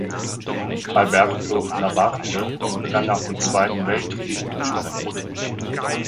Alberto Labarthe begann nach dem Zweiten Weltkrieg mit dem Sprinten.